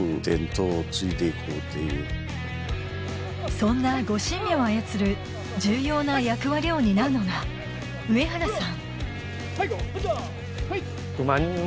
そんな御神馬を操る重要な役割を担うのが上原さん